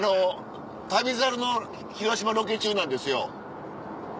『旅猿』の広島ロケ中なんですよ。